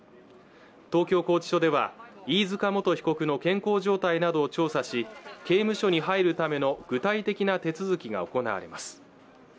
東京拘置所では飯塚元被告の健康状態などを調査し刑務所に入るための具体的な手続きが行われます